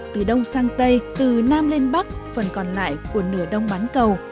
từ đông sang tây từ nam lên bắc phần còn lại của nửa đông bán cầu